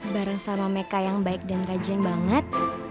bareng sama mereka yang baik dan rajin banget